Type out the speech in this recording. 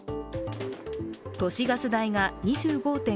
都市ガス代が２５．５％。